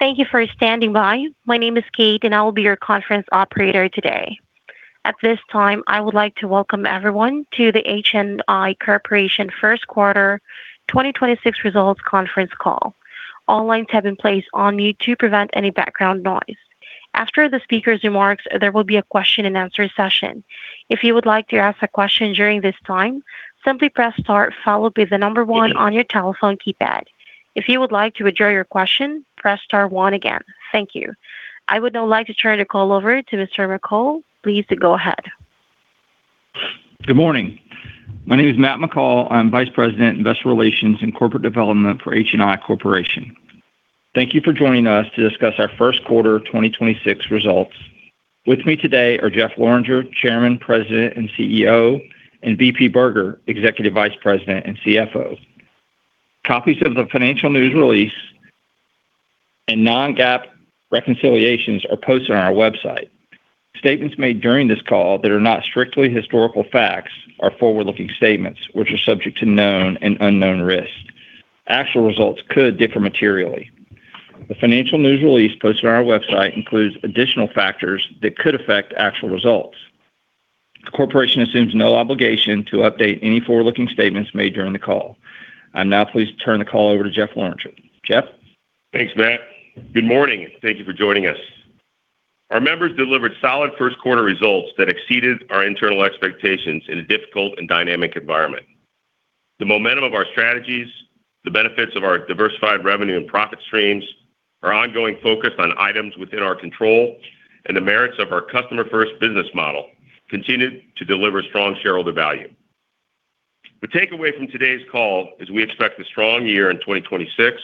Thank you for standing by. My name is Kate, and I will be your conference operator today. At this time, I would like to welcome everyone to the HNI Corporation First Quarter 2026 Results Conference Call. All lines have been placed on mute to prevent any background noise. After the speaker's remarks, there will be a question and answer session. If you would like to ask a question during this time, simply press star followed by one on your telephone keypad. If you would like to withdraw your question, press star 1 again. Thank you. I would now like to turn the call over to Mr. McCall. Please go ahead. Good morning? My name is Matt McCall. I'm Vice President, Investor Relations and Corporate Development for HNI Corporation. Thank you for joining us to discuss our first quarter 2026 results. With me today are Jeff Lorenger, Chairman, President, and Chief Executive Officer, and V.P. Berger, Executive Vice President and Chief Financial Officer. Copies of the financial news release and non-GAAP reconciliations are posted on our website. Statements made during this call that are not strictly historical facts are forward-looking statements, which are subject to known and unknown risks. Actual results could differ materially. The financial news release posted on our website includes additional factors that could affect actual results. The corporation assumes no obligation to update any forward-looking statements made during the call. I'm now pleased to turn the call over to Jeff Lorenger. Jeff? Thanks, Matt. Good morning. Thank you for joining us. Our members delivered solid first quarter results that exceeded our internal expectations in a difficult and dynamic environment. The momentum of our strategies, the benefits of our diversified revenue and profit streams, our ongoing focus on items within our control, and the merits of our customer-first business model continued to deliver strong shareholder value. The takeaway from today's call is we expect a strong year in 2026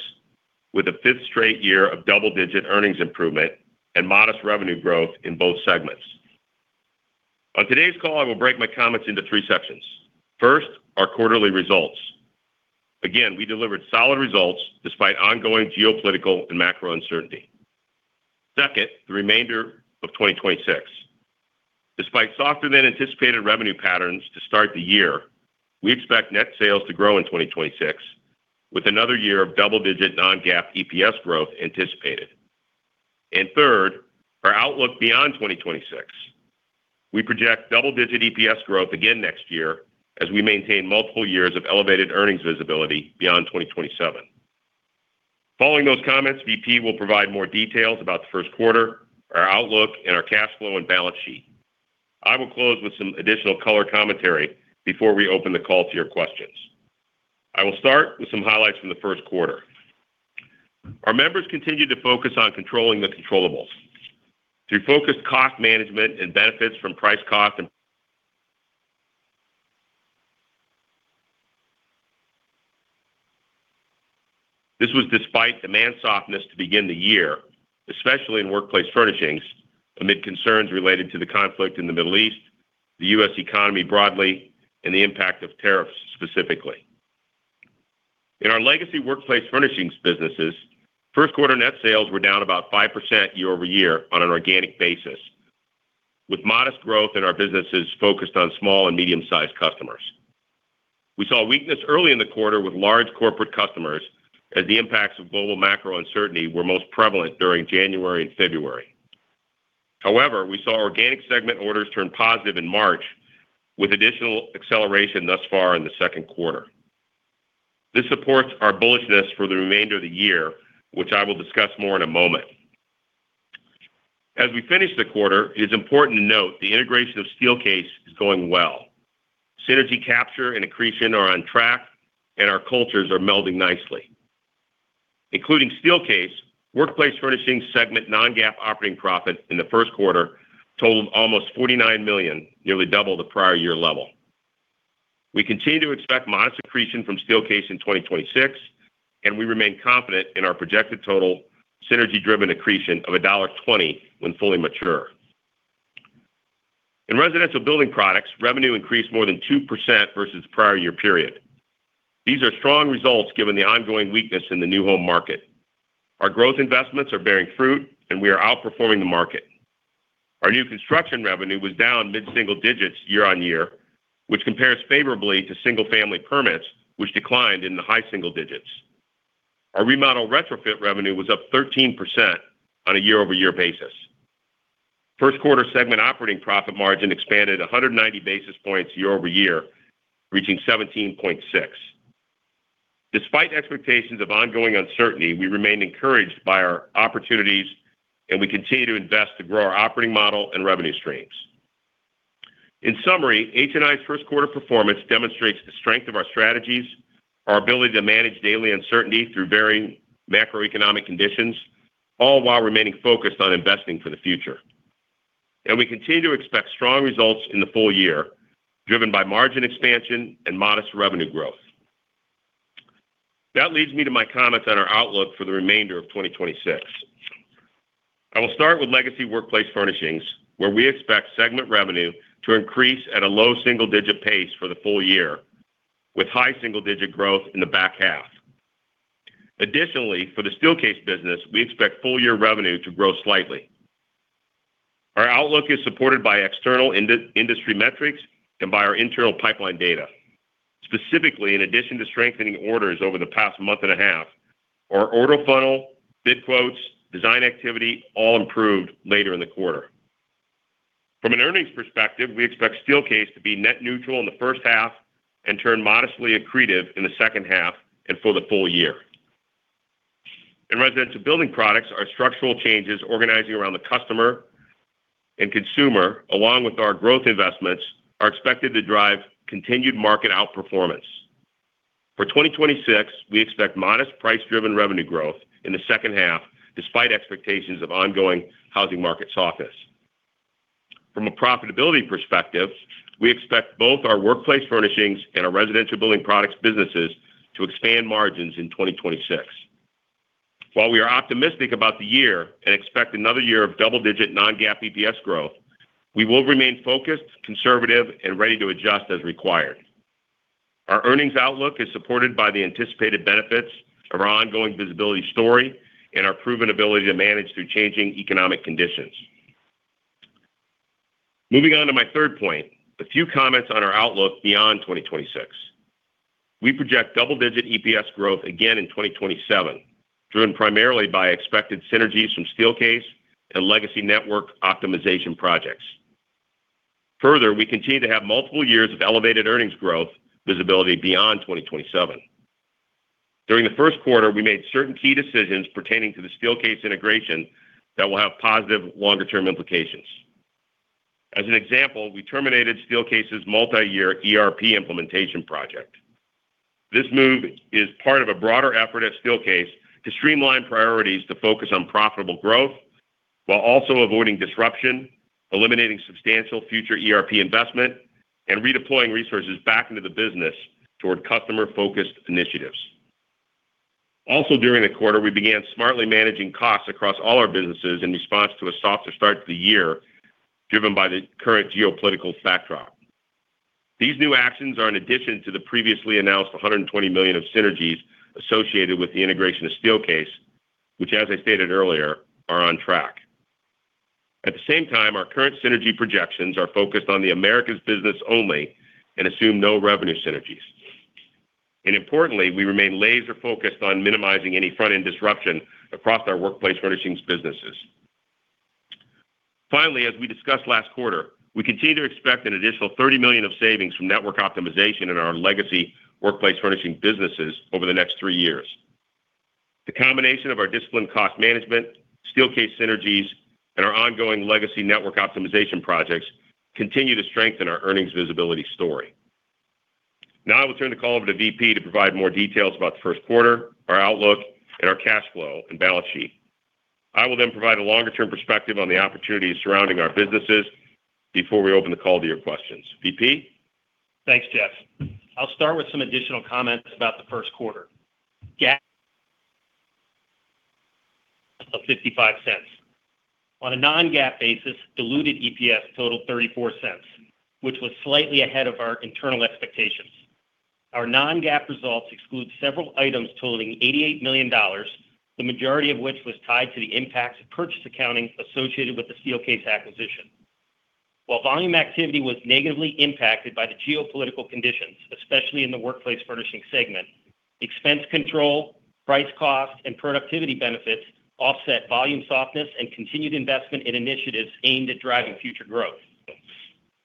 with a fifth straight year of double-digit earnings improvement and modest revenue growth in both segments. On today's call, I will break my comments into three sections. First, our quarterly results. Again, we delivered solid results despite ongoing geopolitical and macro uncertainty. Second, the remainder of 2026. Despite softer than anticipated revenue patterns to start the year, we expect net sales to grow in 2026, with another year of double-digit non-GAAP EPS growth anticipated. Third, our outlook beyond 2026. We project double-digit EPS growth again next year as we maintain multiple years of elevated earnings visibility beyond 2027. Following those comments, V.P. will provide more details about the first quarter, our outlook, and our cash flow and balance sheet. I will close with some additional color commentary before we open the call to your questions. I will start with some highlights from the first quarter. Our members continued to focus on controlling the controllables through focused cost management and benefits from price cost. This was despite demand softness to begin the year, especially in Workplace Furnishings, amid concerns related to the conflict in the Middle East, the U.S. economy broadly, and the impact of tariffs specifically. In our legacy Workplace Furnishings businesses, first quarter net sales were down about 5% year-over-year on an organic basis, with modest growth in our businesses focused on small and medium-sized customers. We saw weakness early in the quarter with large corporate customers as the impacts of global macro uncertainty were most prevalent during January and February. We saw organic segment orders turn positive in March with additional acceleration thus far in the second quarter. This supports our bullishness for the remainder of the year, which I will discuss more in a moment. As we finish the quarter, it is important to note the integration of Steelcase is going well. Synergy capture and accretion are on track, and our cultures are melding nicely. Including Steelcase, Workplace Furnishings segment non-GAAP operating profit in the first quarter totaled almost $49 million, nearly double the prior-year level. We continue to expect modest accretion from Steelcase in 2026, and we remain confident in our projected total synergy-driven accretion of $1.20 when fully mature. In Residential Building Products, revenue increased more than 2% versus prior-year period. These are strong results given the ongoing weakness in the new home market. Our growth investments are bearing fruit, and we are outperforming the market. Our new construction revenue was down mid-single digits year-on-year, which compares favorably to single-family permits, which declined in the high single digits. Our remodel retrofit revenue was up 13% on a year-over-year basis. First quarter segment operating profit margin expanded 190 basis points year-over-year, reaching 17.6%. Despite expectations of ongoing uncertainty, we remain encouraged by our opportunities. We continue to invest to grow our operating model and revenue streams. In summary, HNI's first quarter performance demonstrates the strength of our strategies, our ability to manage daily uncertainty through varying macroeconomic conditions, all while remaining focused on investing for the future. We continue to expect strong results in the full year, driven by margin expansion and modest revenue growth. That leads me to my comments on our outlook for the remainder of 2026. I will start with legacy Workplace Furnishings, where we expect segment revenue to increase at a low single-digit pace for the full year, with high single-digit growth in the back half. Additionally, for the Steelcase business, we expect full year revenue to grow slightly. Our outlook is supported by external industry metrics and by our internal pipeline data. Specifically, in addition to strengthening orders over the past month and a half, our order funnel, bid quotes, design activity all improved later in the quarter. From an earnings perspective, we expect Steelcase to be net neutral in the first half and turn modestly accretive in the second half and for the full year. In Residential Building Products, our structural changes organizing around the customer and consumer, along with our growth investments, are expected to drive continued market outperformance. For 2026, we expect modest price-driven revenue growth in the second half despite expectations of ongoing housing market softness. From a profitability perspective, we expect both our Workplace Furnishings and our Residential Building Products businesses to expand margins in 2026. While we are optimistic about the year and expect another year of double-digit non-GAAP EPS growth, we will remain focused, conservative, and ready to adjust as required. Our earnings outlook is supported by the anticipated benefits of our ongoing visibility story and our proven ability to manage through changing economic conditions. Moving on to my third point, a few comments on our outlook beyond 2026. We project double-digit EPS growth again in 2027, driven primarily by expected synergies from Steelcase and legacy network optimization projects. Further, we continue to have multiple years of elevated earnings growth visibility beyond 2027. During the first quarter, we made certain key decisions pertaining to the Steelcase integration that will have positive longer-term implications. As an example, we terminated Steelcase's multi-year ERP implementation project. This move is part of a broader effort at Steelcase to streamline priorities to focus on profitable growth while also avoiding disruption, eliminating substantial future ERP investment, and redeploying resources back into the business toward customer-focused initiatives. During the quarter, we began smartly managing costs across all our businesses in response to a softer start to the year driven by the current geopolitical backdrop. These new actions are in addition to the previously announced $120 million of synergies associated with the integration of Steelcase, which as I stated earlier, are on track. The same time, our current synergy projections are focused on the Americas business only and assume no revenue synergies. Importantly, we remain laser-focused on minimizing any front-end disruption across our Workplace Furnishings businesses. Finally, as we discussed last quarter, we continue to expect an additional $30 million of savings from network optimization in our legacy Workplace Furnishings businesses over the next three years. The combination of our disciplined cost management, Steelcase synergies, and our ongoing legacy network optimization projects continue to strengthen our earnings visibility story. Now I will turn the call over to V.P. to provide more details about the first quarter, our outlook, and our cash flow and balance sheet. I will then provide a longer-term perspective on the opportunities surrounding our businesses before we open the call to your questions. V.P.? Thanks, Jeff. I'll start with some additional comments about the first quarter. GAAP of $0.55. On a non-GAAP basis, diluted EPS totaled $0.34, which was slightly ahead of our internal expectations. Our non-GAAP results exclude several items totaling $88 million, the majority of which was tied to the impacts of purchase accounting associated with the Steelcase acquisition. While volume activity was negatively impacted by the geopolitical conditions, especially in the Workplace Furnishings segment, expense control, price cost, and productivity benefits offset volume softness and continued investment in initiatives aimed at driving future growth.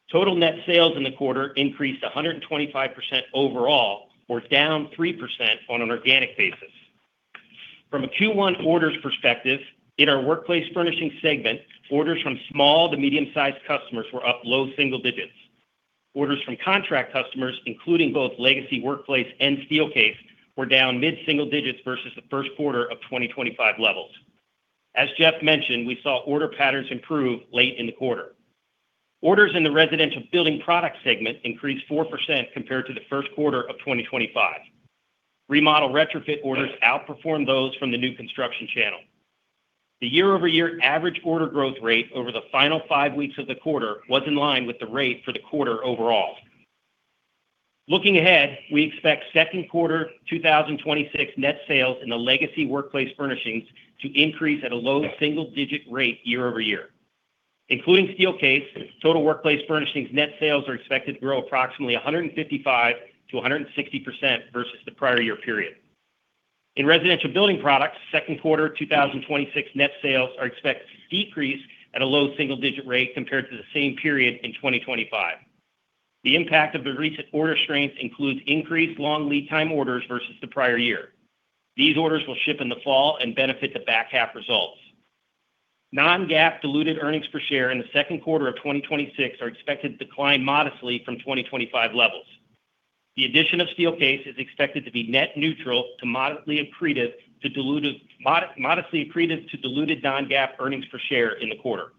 Total net sales in the quarter increased 125% overall, or down 3% on an organic basis. From a Q1 orders perspective, in our Workplace Furnishings segment, orders from small to medium-sized customers were up low single digits. Orders from contract customers, including both legacy Workplace and Steelcase, were down mid-single digits versus the first quarter of 2025 levels. As Jeff mentioned, we saw order patterns improve late in the quarter. Orders in the Residential Building Products segment increased 4% compared to the first quarter of 2025. remodel retrofit orders outperformed those from the new construction channel. The year-over-year average order growth rate over the final five weeks of the quarter was in line with the rate for the quarter overall. Looking ahead, we expect second quarter 2026 net sales in the legacy Workplace Furnishings to increase at a low single-digit rate year-over-year. Including Steelcase, total Workplace Furnishings net sales are expected to grow approximately 155%-160% versus the prior year period. In Residential Building Products, second quarter 2026 net sales are expected to decrease at a low single-digit rate compared to the same period in 2025. The impact of the recent order strength includes increased long lead time orders versus the prior year. These orders will ship in the fall and benefit the back half results. Non-GAAP diluted earnings per share in the second quarter of 2026 are expected to decline modestly from 2025 levels. The addition of Steelcase is expected to be net neutral to modestly accretive to diluted modestly accretive to diluted non-GAAP earnings per share in the quarter.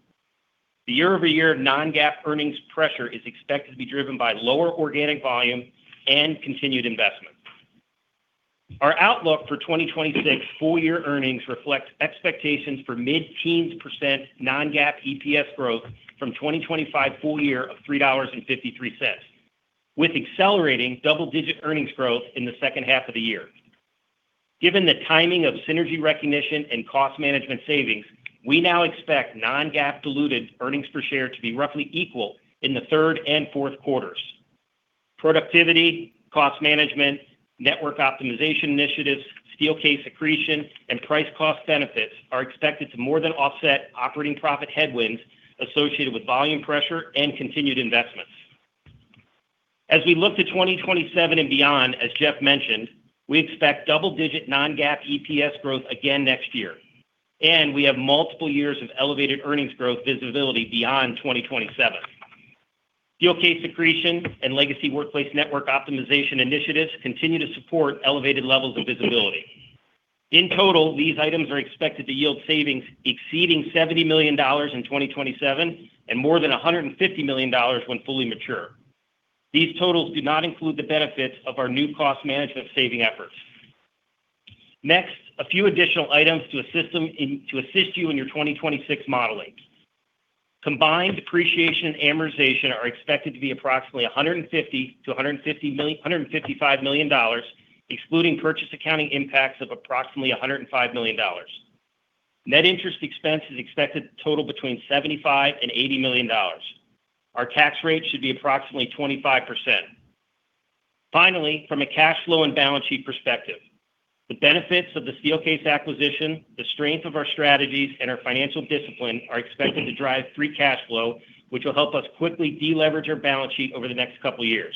The year-over-year non-GAAP earnings pressure is expected to be driven by lower organic volume and continued investment. Our outlook for 2026 full-year earnings reflects expectations for mid-teens % non-GAAP EPS growth from 2025 full-year of $3.53, with accelerating double-digit earnings growth in the second half of the year. Given the timing of synergy recognition and cost management savings, we now expect non-GAAP diluted earnings per share to be roughly equal in the third and fourth quarters. Productivity, cost management, network optimization initiatives, Steelcase accretion, and price cost benefits are expected to more than offset operating profit headwinds associated with volume pressure and continued investments. As we look to 2027 and beyond, as Jeff mentioned, we expect double-digit non-GAAP EPS growth again next year, and we have multiple years of elevated earnings growth visibility beyond 2027. Steelcase accretion and legacy Workplace network optimization initiatives continue to support elevated levels of visibility. In total, these items are expected to yield savings exceeding $70 million in 2027 and more than $150 million when fully mature. These totals do not include the benefits of our new cost management saving efforts. Next, a few additional items to assist you in your 2026 modeling. Combined depreciation and amortization are expected to be approximately $150 million-$155 million, excluding purchase accounting impacts of approximately $105 million. Net interest expense is expected to total between $75 million and $80 million. Our tax rate should be approximately 25%. Finally, from a cash flow and balance sheet perspective, the benefits of the Steelcase acquisition, the strength of our strategies, and our financial discipline are expected to drive free cash flow, which will help us quickly deleverage our balance sheet over the next couple years.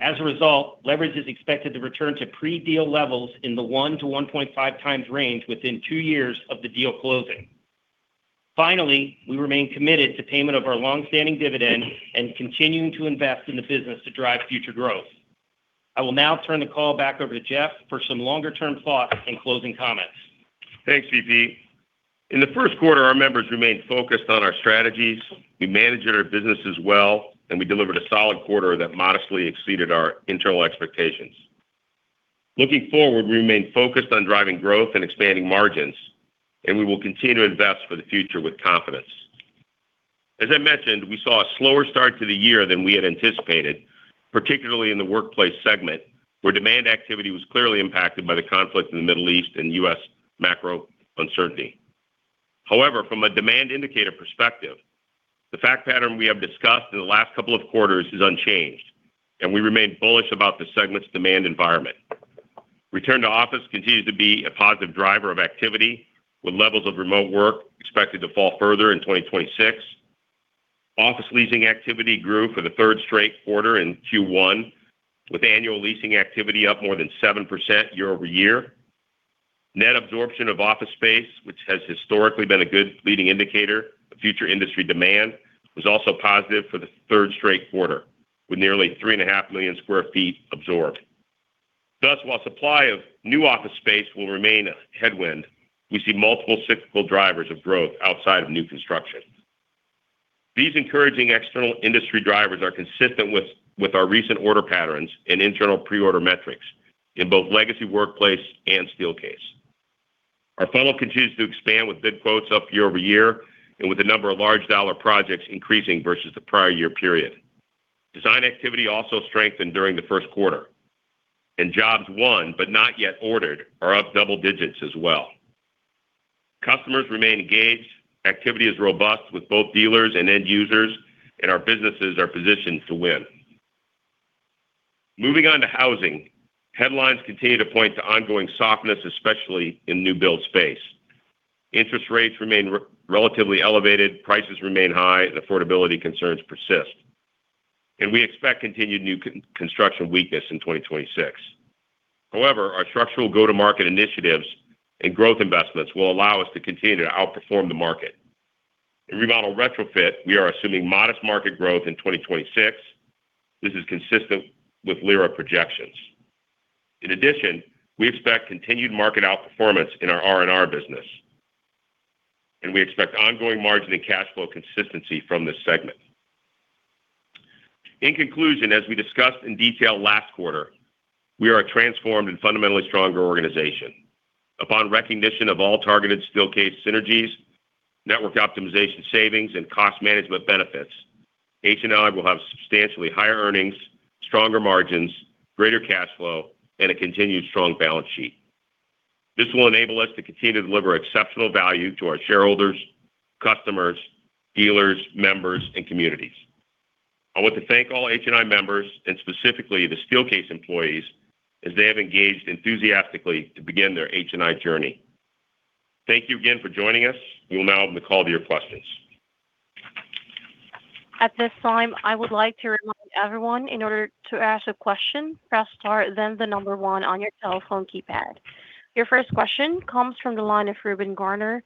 As a result, leverage is expected to return to pre-deal levels in the 1x to 1.5x range within two years of the deal closing. Finally, we remain committed to payment of our long-standing dividend and continuing to invest in the business to drive future growth. I will now turn the call back over to Jeff for some longer-term thoughts and closing comments. Thanks, V.P. In the first quarter, our members remained focused on our strategies. We managed our businesses well, and we delivered a solid quarter that modestly exceeded our internal expectations. Looking forward, we remain focused on driving growth and expanding margins, and we will continue to invest for the future with confidence. As I mentioned, we saw a slower start to the year than we had anticipated, particularly in the Workplace Furnishings segment, where demand activity was clearly impacted by the conflict in the Middle East and U.S. macro uncertainty. However, from a demand indicator perspective, the fact pattern we have discussed in the last couple of quarters is unchanged, and we remain bullish about the segment's demand environment. Return to office continues to be a positive driver of activity, with levels of remote work expected to fall further in 2026. Office leasing activity grew for the third straight quarter in Q1, with annual leasing activity up more than 7% year-over-year. Net absorption of office space, which has historically been a good leading indicator of future industry demand, was also positive for the third straight quarter, with nearly 3.5 million sq ft absorbed. While supply of new office space will remain a headwind, we see multiple cyclical drivers of growth outside of new construction. These encouraging external industry drivers are consistent with our recent order patterns and internal pre-order metrics in both legacy Workplace and Steelcase. Our funnel continues to expand with bid quotes up year-over-year and with the number of large dollar projects increasing versus the prior year period. Design activity also strengthened during the first quarter, jobs won but not yet ordered are up double digits as well. Customers remain engaged, activity is robust with both dealers and end users, and our businesses are positioned to win. Moving on to housing. Headlines continue to point to ongoing softness, especially in new build space. Interest rates remain relatively elevated, prices remain high, and affordability concerns persist, and we expect continued new construction weakness in 2026. However, our structural go-to-market initiatives and growth investments will allow us to continue to outperform the market. In remodel retrofit, we are assuming modest market growth in 2026. This is consistent with LIRA projections. In addition, we expect continued market outperformance in our R&R business, and we expect ongoing margin and cash flow consistency from this segment. In conclusion, as we discussed in detail last quarter, we are a transformed and fundamentally stronger organization. Upon recognition of all targeted Steelcase synergies, network optimization savings, and cost management benefits, HNI will have substantially higher earnings, stronger margins, greater cash flow, and a continued strong balance sheet. This will enable us to continue to deliver exceptional value to our shareholders, customers, dealers, members, and communities. I want to thank all HNI members, and specifically the Steelcase employees, as they have engaged enthusiastically to begin their HNI journey. Thank you again for joining us. We will now open the call to your questions. At this time, I would like to remind everyone, in order to ask a question, press star then one on your telephone keypad. Your first question comes from the line of Reuben Garner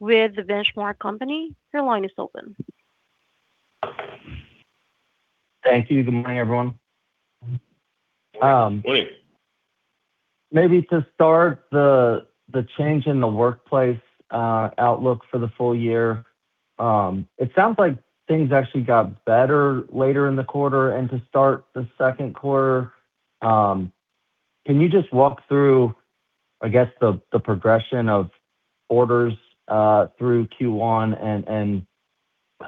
with The Benchmark Company, your line is open. Thank you. Good morning, everyone? Good morning. Maybe to start the change in the workplace outlook for the full year. It sounds like things actually got better later in the quarter and to start the second quarter. Can you just walk through, I guess, the progression of orders through Q1?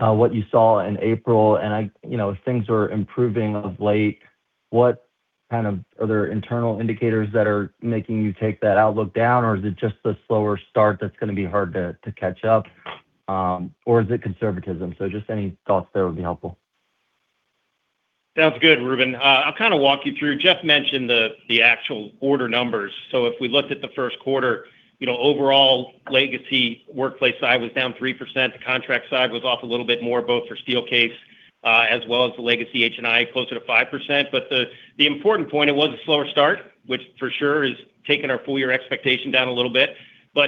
What you saw in April, and I, you know, things are improving of late. What kind of other internal indicators that are making you take that outlook down? Is it just the slower start that's gonna be hard to catch up? Is it conservatism? Just any thoughts there would be helpful. Sounds good, Reuben. I'll kind of walk you through. Jeff mentioned the actual order numbers. If we looked at the first quarter, you know, overall Legacy Workplace side was down 3%. The Contract side was off a little bit more, both for Steelcase, as well as the Legacy HNI, closer to 5%. The important point, it was a slower start, which for sure has taken our full year expectation down a little bit.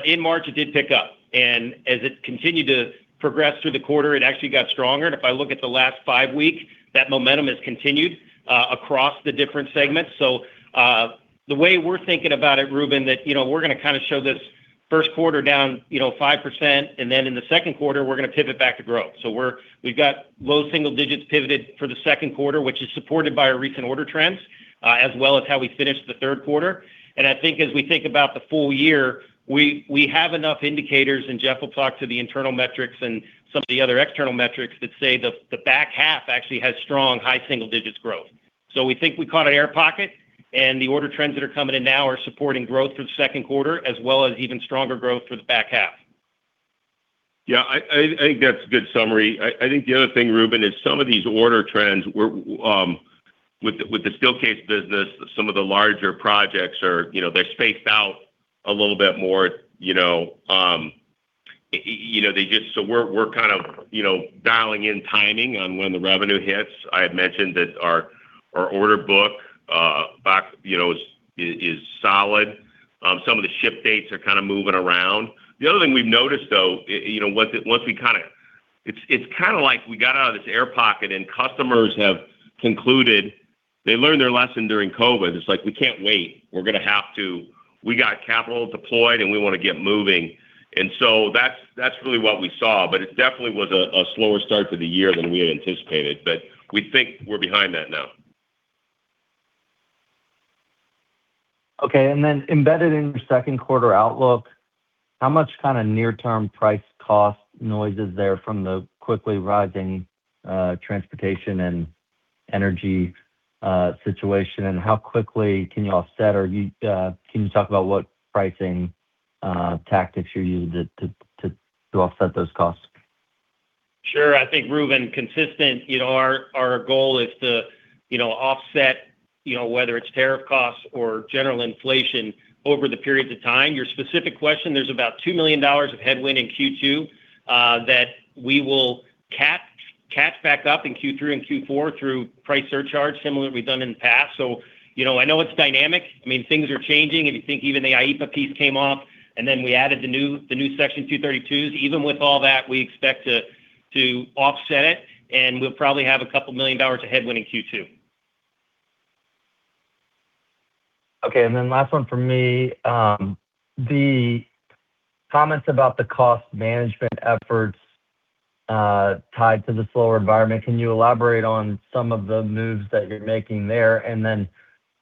In March, it did pick up. As it continued to progress through the quarter, it actually got stronger. If I look at the last five week, that momentum has continued across the different segments. The way we're thinking about it, Reuben, that, you know, we're gonna kind of show this first quarter down, you know, 5%, and then in the second quarter, we're gonna pivot back to growth. We've got low single digits pivoted for the second quarter, which is supported by our recent order trends, as well as how we finish the third quarter. I think as we think about the full year, we have enough indicators, and Jeff will talk to the internal metrics and some of the other external metrics that say the back half actually has strong high single digits growth. We think we caught an air pocket, the order trends that are coming in now are supporting growth for the second quarter, as well as even stronger growth for the back half. Yeah, I think that's a good summary. I think the other thing, Reuben, is some of these order trends were With the Steelcase business, some of the larger projects are, you know, they're spaced out a little bit more, you know. You know, they just, we're kind of, you know, dialing in timing on when the revenue hits. I had mentioned that our order book back, you know, is solid. Some of the ship dates are kind of moving around. The other thing we've noticed, though, you know, once it, once we kinda It's kinda like we got out of this air pocket and customers have concluded they learned their lesson during COVID. It's like, We can't wait. We got capital deployed, and we wanna get moving. That's really what we saw, but it definitely was a slower start to the year than we had anticipated. We think we're behind that now. Okay, then embedded in your second quarter outlook, how much kind of near-term price cost noise is there from the quickly rising transportation and energy situation? Can you talk about what pricing tactics you're using to offset those costs? Sure. I think, Reuben, consistent, you know, our goal is to, you know, offset, you know, whether it's tariff costs or general inflation over the periods of time. Your specific question, there's about $2 million of headwind in Q2 that we will catch back up in Q3 and Q4 through price surcharge, similar to what we've done in the past. You know, I mean things are changing. If you think even the IEEPA piece came off, then we added the new Section 232s. Even with all that, we expect to offset it, we'll probably have a couple million dollars of headwind in Q2. Okay, last one from me. The comments about the cost management efforts, tied to the slower environment, can you elaborate on some of the moves that you're making there?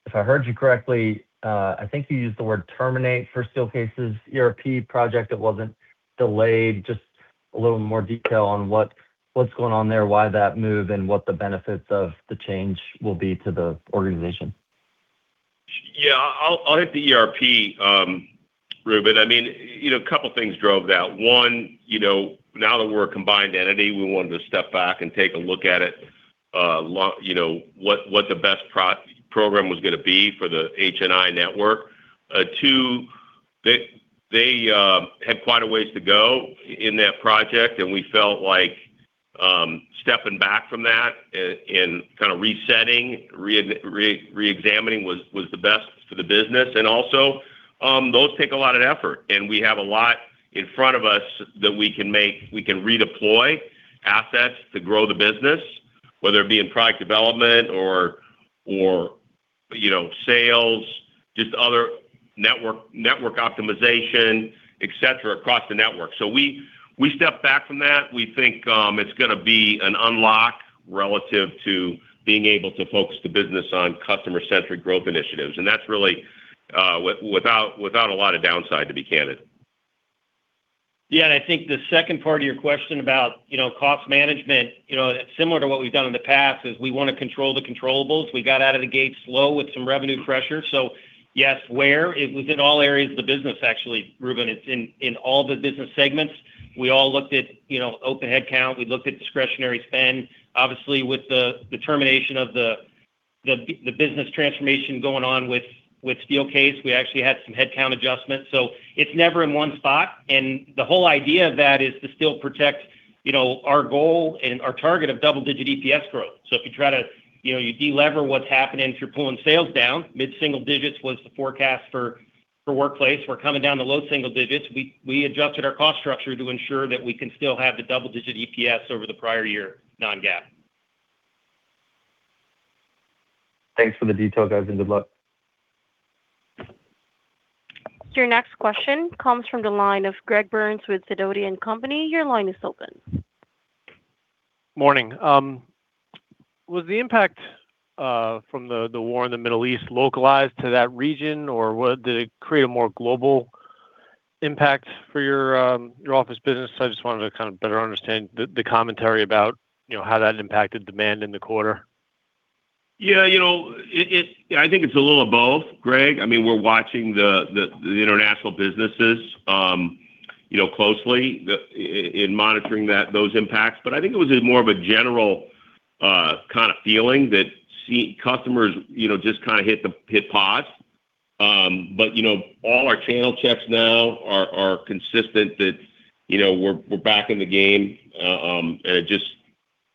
If I heard you correctly, I think you used the word terminate for Steelcase's ERP project that wasn't delayed. Just a little more detail on what's going on there, why that move, and what the benefits of the change will be to the organization. Yeah. I'll hit the ERP, Reuben. I mean, you know, a couple things drove that. One, you know, now that we're a combined entity, we wanted to step back and take a look at it, you know, what the best program was going to be for the HNI network. Two, they had quite a ways to go in that project. We felt like stepping back from that and kind of resetting, reexamining was the best for the business. Also, those take a lot of effort. We have a lot in front of us that we can redeploy assets to grow the business, whether it be in product development or, you know, sales, just other network optimization, et cetera, across the network. We stepped back from that. We think it's gonna be an unlock relative to being able to focus the business on customer-centric growth initiatives, and that's really without a lot of downside, to be candid. I think the second part of your question about, you know, cost management, you know, similar to what we've done in the past, is we wanna control the controllables. We got out of the gate slow with some revenue pressure. Yes, where? It was in all areas of the business actually, Reuben. It's in all the business segments. We all looked at, you know, open headcount. We looked at discretionary spend. Obviously, with the termination of the business transformation going on with Steelcase, we actually had some headcount adjustments. It's never in one spot, and the whole idea of that is to still protect, you know, our goal and our target of double-digit EPS growth. You know, you de-lever what's happening if you're pulling sales down. Mid-single digits was the forecast for Workplace. We're coming down to low single digits. We adjusted our cost structure to ensure that we can still have the double-digit EPS over the prior year, non-GAAP. Thanks for the detail, guys, and good luck. Your next question comes from the line of Gregory Burns with Sidoti & Company, your line is open. Morning? Was the impact from the war in the Middle East localized to that region, or did it create a more global impact for your office business? I just wanted to kind of better understand the commentary about, you know, how that impacted demand in the quarter. You know, I think it's a little of both, Greg. I mean, we're watching the international businesses, you know, closely, in monitoring that, those impacts. I think it was a more of a general, kinda feeling that customers, you know, just kinda hit pause. You know, all our channel checks now are consistent that, you know, we're back in the game. Just,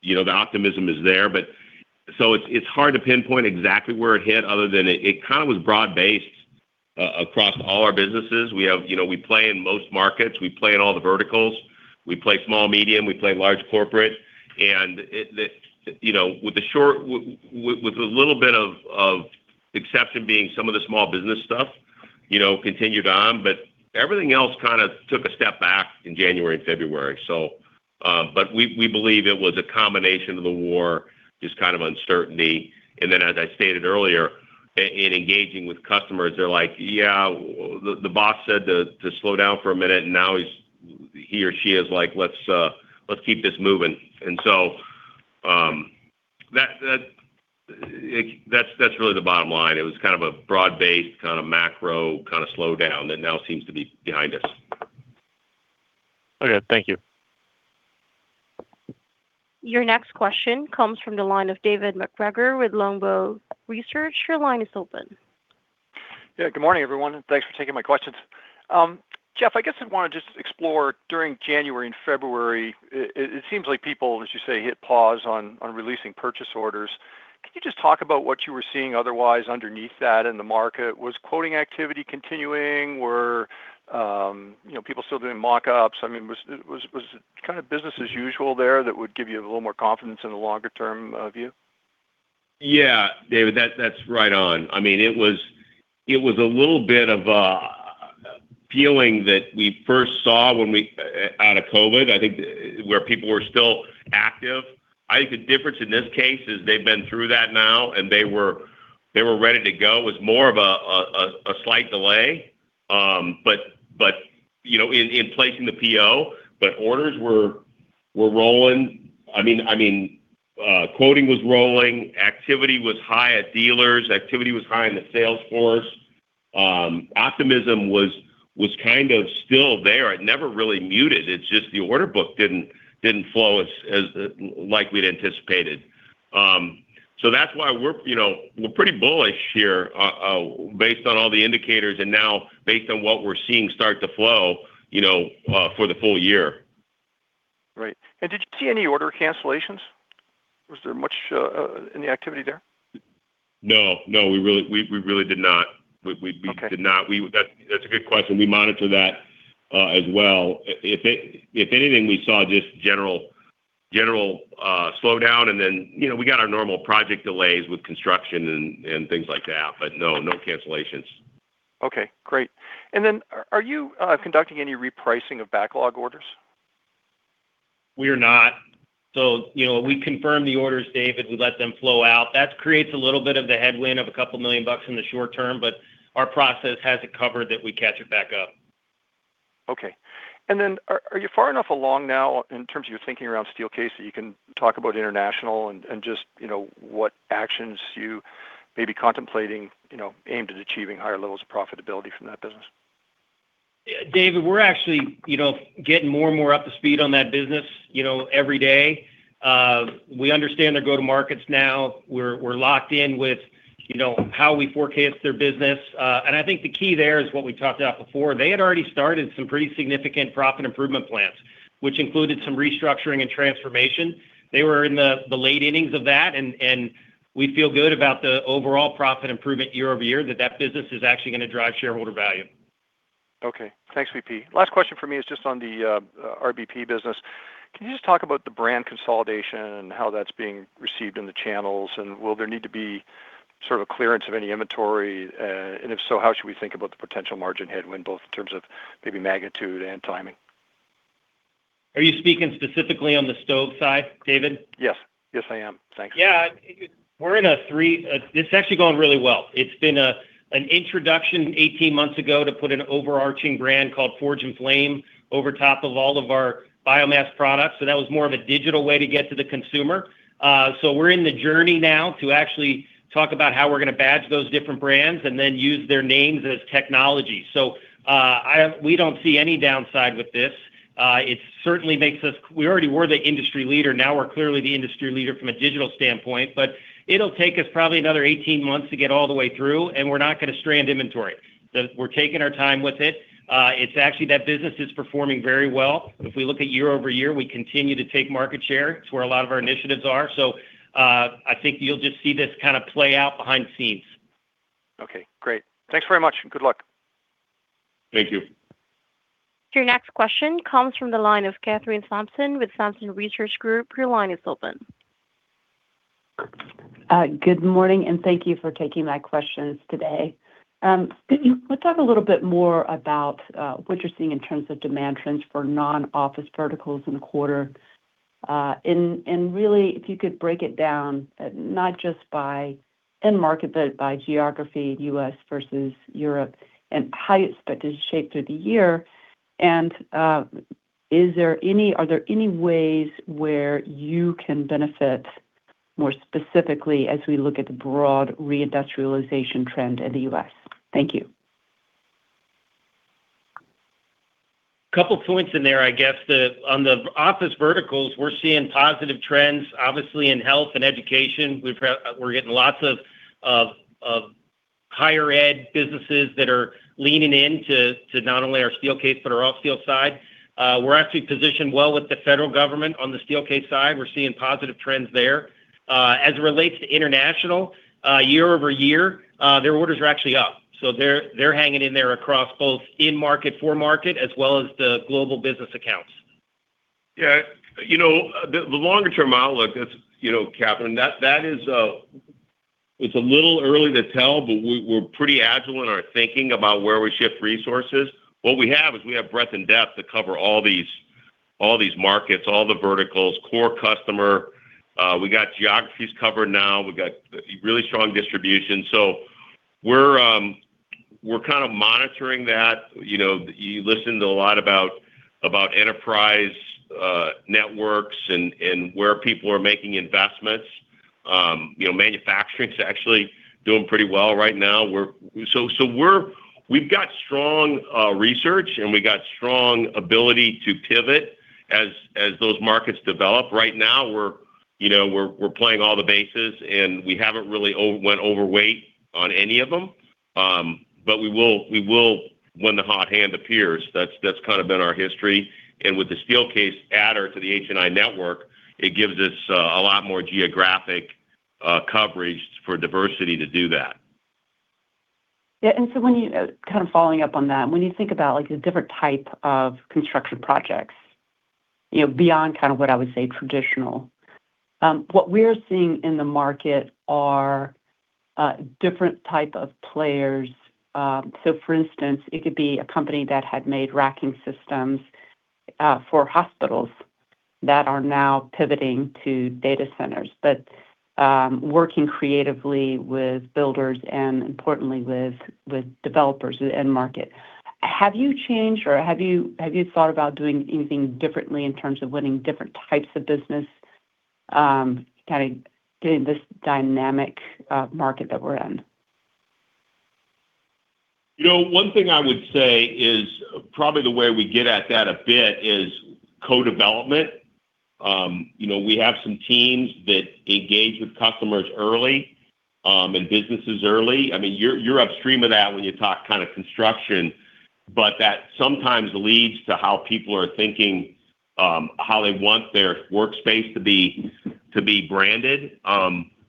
you know, the optimism is there. It's hard to pinpoint exactly where it hit other than it kinda was broad-based across all our businesses. We have, you know, we play in most markets, we play in all the verticals. We play SMB, we play large corporate. It, you know, with a little bit of exception being some of the small business stuff, you know, continued on, but everything else kinda took a step back in January and February. We believe it was a combination of the war, just kind of uncertainty. As I stated earlier, in engaging with customers, they're like, Yeah, the boss said to slow down for a minute, and now he's, he or she is like, Let's keep this moving. That's really the bottom line. It was kind of a broad-based, kinda macro, kinda slowdown that now seems to be behind us. Okay. Thank you. Your next question comes from the line of David MacGregor with Longbow Research, your line is open. Yeah, good morning, everyone, and thanks for taking my questions. Jeff, I guess I wanna just explore during January and February, it seems like people, as you say, hit pause on releasing purchase orders. Can you just talk about what you were seeing otherwise underneath that in the market? Was quoting activity continuing? Were, you know, people still doing mock-ups? I mean, was it kind of business as usual there that would give you a little more confidence in the longer term view? David, that's right on. I mean, it was a little bit of a feeling that we first saw when we out of COVID, I think where people were still active. I think the difference in this case is they've been through that now, and they were ready to go. It was more of a slight delay. You know, in placing the PO, orders were rolling. I mean, quoting was rolling, activity was high at dealers, activity was high in the sales force. Optimism was kind of still there. It never really muted, it's just the order book didn't flow as, like we'd anticipated. That's why we're, you know, we're pretty bullish here, based on all the indicators and now based on what we're seeing start to flow, you know, for the full year. Right. Did you see any order cancellations? Was there much any activity there? No. No, we really, we really did not. Okay we did not. That's a good question. We monitor that as well. If anything, we saw just general slowdown and then, you know, we got our normal project delays with construction and things like that. No, no cancellations. Okay. Great. Are you conducting any repricing of backlog orders? We are not. You know, we confirm the orders, David, we let them flow out. That creates a little bit of the headwind of $2 million in the short term, but our process has it covered that we catch it back up. Okay. Are you far enough along now in terms of your thinking around Steelcase that you can talk about international and just, you know, what actions you may be contemplating, you know, aimed at achieving higher levels of profitability from that business? Yeah. David, we're actually, you know, getting more and more up to speed on that business, you know, every day. We understand their go-to markets now. We're locked in with, you know, how we forecast their business. I think the key there is what we talked about before. They had already started some pretty significant profit improvement plans, which included some restructuring and transformation. They were in the late innings of that, and we feel good about the overall profit improvement year-over-year, that that business is actually gonna drive shareholder value. Okay. Thanks, V.P. Last question from me is just on the RBP business. Can you just talk about the brand consolidation and how that's being received in the channels, and will there need to be sort of a clearance of any inventory? If so, how should we think about the potential margin headwind, both in terms of maybe magnitude and timing? Are you speaking specifically on the stove side, David? Yes. Yes, I am. Thank you It's actually going really well. It's been an introduction 18 months ago to put an overarching brand called Forge & Flame over top of all of our biomass products. That was more of a digital way to get to the consumer. We're in the journey now to actually talk about how we're gonna badge those different brands and then use their names as technology. We don't see any downside with this. We already were the industry leader, now we're clearly the industry leader from a digital standpoint. It'll take us probably another 18 months to get all the way through, and we're not gonna strand inventory. We're taking our time with it. That business is performing very well. If we look at year-over-year, we continue to take market share. It's where a lot of our initiatives are. I think you'll just see this kind of play out behind scenes. Okay. Great. Thanks very much, and good luck. Thank you. Your next question comes from the line of Kathryn Thompson with Thompson Research Group, your line is open. Good morning, and thank you for taking my questions today. Let's talk a little bit more about what you're seeing in terms of demand trends for non-office verticals in the quarter. Really if you could break it down, not just by end market, but by geography, U.S. versus Europe, and how you expect it to shape through the year. Are there any ways where you can benefit more specifically as we look at the broad reindustrialization trend in the U.S.? Thank you. Couple points in there. On the office verticals, we're seeing positive trends, obviously in health and education. We're getting lots of higher-end businesses that are leaning in to not only our Steelcase, but our Allsteel side. We're actually positioned well with the federal government on the Steelcase side. We're seeing positive trends there. As it relates to international, year-over-year, their orders are actually up. They're hanging in there across both in market, for market, as well as the global business accounts. Yeah. You know, the longer term outlook is, you know, Kathryn, that is. It's a little early to tell, but we're pretty agile in our thinking about where we shift resources. What we have is we have breadth and depth to cover all these markets, all the verticals, core customer. We got geographies covered now. We've got really strong distribution. We're kind of monitoring that. You know, you listen to a lot about enterprise networks and where people are making investments. You know, manufacturing's actually doing pretty well right now. We've got strong research, and we got strong ability to pivot as those markets develop. Right now, you know, we're playing all the bases, and we haven't really went overweight on any of them. We will when the hot hand appears, that's kind of been our history. With the Steelcase adder to the HNI network, it gives us a lot more geographic coverage for diversity to do that. Yeah, when you, kind of following up on that, when you think about like the different type of construction projects, you know, beyond kind of what I would say traditional, what we are seeing in the market are, different type of players. For instance, it could be a company that had made racking systems, for hospitals that are now pivoting to data centers. Working creatively with builders and importantly with developers and market, have you changed or have you thought about doing anything differently in terms of winning different types of business, kind of in this dynamic market that we're in? You know, one thing I would say is probably the way we get at that a bit is co-development. You know, we have some teams that engage with customers early and businesses early. I mean, you're upstream of that when you talk kind of construction, but that sometimes leads to how people are thinking, how they want their workspace to be, to be branded.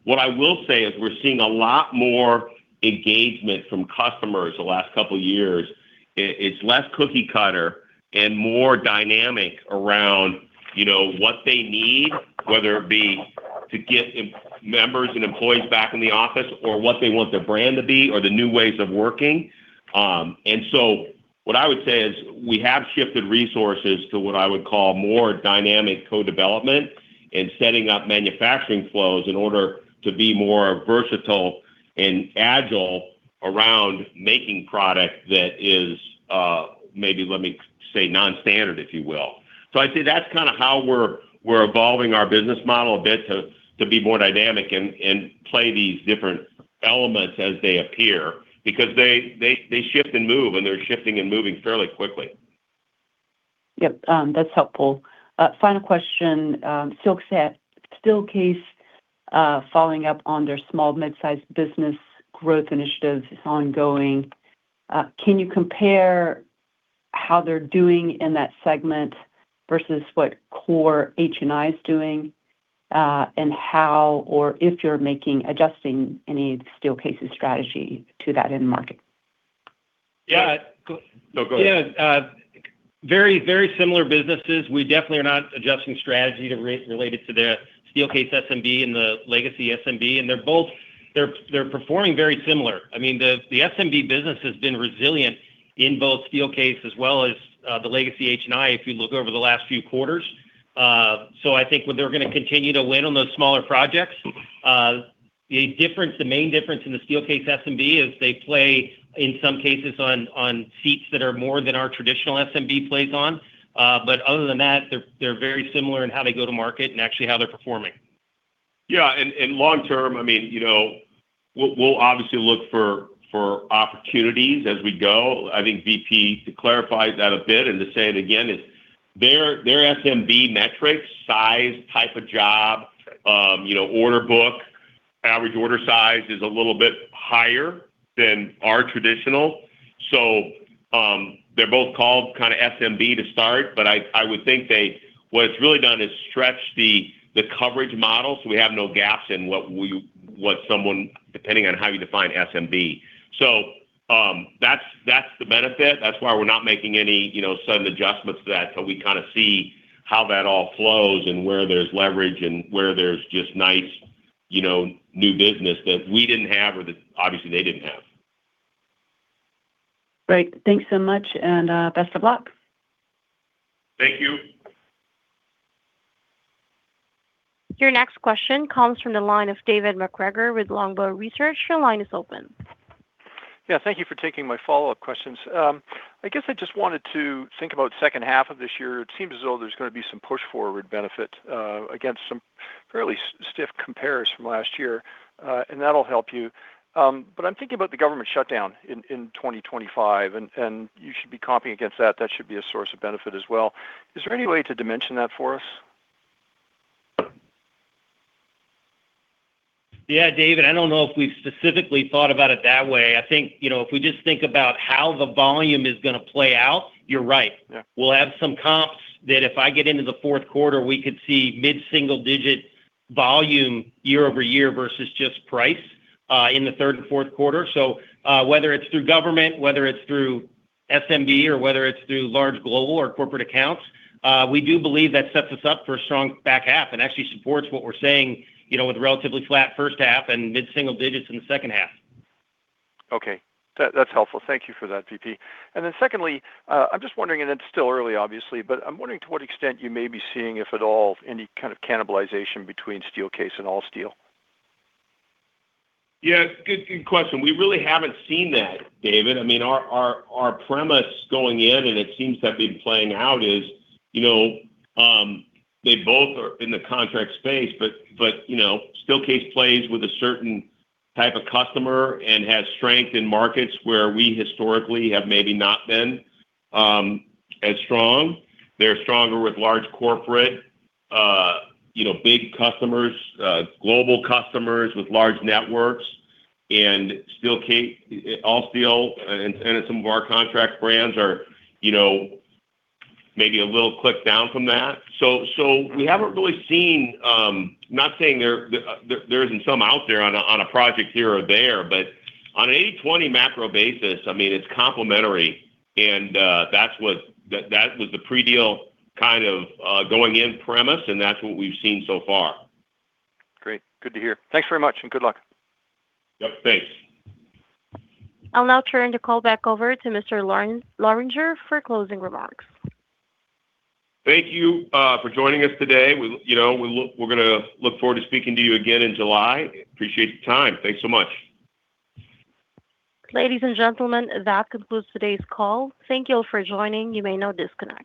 What I will say is we're seeing a lot more engagement from customers the last couple years. It's less cookie cutter and more dynamic around, you know, what they need, whether it be to get members and employees back in the office or what they want their brand to be or the new ways of working. What I would say is we have shifted resources to what I would call more dynamic co-development and setting up manufacturing flows in order to be more versatile and agile around making product that is, maybe, let me say, non-standard, if you will. I'd say that's kind of how we're evolving our business model a bit to be more dynamic and play these different elements as they appear because they shift and move, and they're shifting and moving fairly quickly. Yep. That's helpful. Final question. Silk said Steelcase, following up on their small, mid-sized business growth initiatives is ongoing. Can you compare how they're doing in that segment versus what core HNI's doing, and how or if you're making, adjusting any Steelcase's strategy to that end market? Yeah. No, go ahead. Yeah. Very, very similar businesses. We definitely are not adjusting strategy related to the Steelcase SMB and the legacy SMB, they're both performing very similar. I mean, the SMB business has been resilient in both Steelcase as well as the legacy HNI if you look over the last few quarters. I think when they're gonna continue to win on those smaller projects, the difference, the main difference in the Steelcase SMB is they play, in some cases, on seats that are more than our traditional SMB plays on. Other than that, they're very similar in how they go to market and actually how they're performing. Yeah. Long term, I mean, you know, we'll obviously look for opportunities as we go. I think V.P. clarifies that a bit and to say it again is their SMB metrics, size, type of job, you know, order book, average order size is a little bit higher than our traditional. They're both called kinda SMB to start, but I would think what it's really done is stretch the coverage model, so we have no gaps in what someone, depending on how you define SMB. That's the benefit, that's why we're not making any, you know, sudden adjustments to that till we kinda see how that all flows and where there's leverage and where there's just nice, you know, new business that we didn't have or that obviously they didn't have. Great. Thanks so much, and best of luck. Thank you. Your next question comes from the line of David MacGregor with Longbow Research. Your line is open. Yeah, thank you for taking my follow-up questions. I guess I just wanted to think about second half of this year. It seems as though there's gonna be some push forward benefit against some fairly stiff compares from last year, and that'll help you. I'm thinking about the government shutdown in 2025 and you should be comping against that. That should be a source of benefit as well. Is there any way to dimension that for us? Yeah, David, I don't know if we've specifically thought about it that way. I think, you know, if we just think about how the volume is gonna play out, you're right. Yeah. We'll have some comps that if I get into the fourth quarter, we could see mid-single-digit volume year-over-year versus just price in the third and fourth quarter. Whether it's through government, whether it's through SMB or whether it's through large global or corporate accounts, we do believe that sets us up for a strong back half and actually supports what we're saying, you know, with relatively flat first half and mid-single-digits in the second half. Okay. That's helpful. Thank you for that, V.P. Secondly, I'm just wondering, and it's still early obviously, but I'm wondering to what extent you may be seeing, if at all, any kind of cannibalization between Steelcase and Allsteel? Yeah, it's a good question. We really haven't seen that, David MacGregor. I mean, our premise going in, and it seems to have been playing out is, you know, they both are in the contract space, but, you know, Steelcase plays with a certain type of customer and has strength in markets where we historically have maybe not been as strong. They're stronger with large corporate, you know, big customers, global customers with large networks. Allsteel and some of our contract brands are, you know, maybe a little click down from that. We haven't really seen, not saying there isn't some out there on a project here or there, but on an 80/20 macro basis, I mean, it's complementary. That was the pre-deal kind of, going in premise, and that's what we've seen so far. Great. Good to hear. Thanks very much, and good luck. Yep, thanks. I'll now turn the call back over to Mr. Lorenger for closing remarks. Thank you for joining us today. We you know, we're gonna look forward to speaking to you again in July. Appreciate your time. Thanks so much. Ladies and gentlemen, that concludes today's call. Thank you all for joining. You may now disconnect.